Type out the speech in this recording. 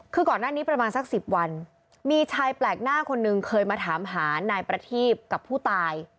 คือก่อนหน้านี้ประมาณสัก๑๐วันมีชายแปลกหน้าคนนึงเคยมาถามหานายประทีบกับผู้ตาย